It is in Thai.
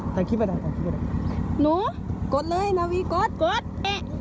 ถ่ายคลิปไว้ด่ะหนูกดเลยนาวีกดกดเอ๊ะกดอีกกดอีก